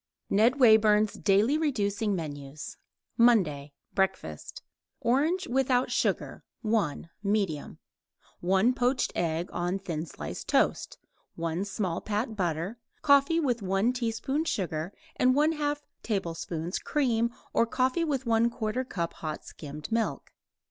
NED WAYBURN'S DAILY REDUCING MENUS MONDAY BREAKFAST Orange (without sugar) 1 medium; 1 poached egg on thin slice toast; 1 small pat butter; coffee with 1 teaspoon sugar and 1/2 tablespoon cream or coffee with 1/4 cup hot skimmed milk.